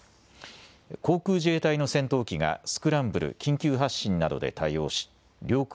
航空自衛隊の戦闘機がスクランブル・緊急発進などで対応し領空